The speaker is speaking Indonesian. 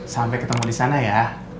sampai ketemu disana ya